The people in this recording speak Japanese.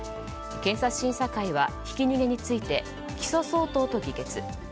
検査審査会はひき逃げについて起訴相当と議決。